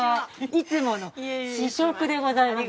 いつもの試食でございます。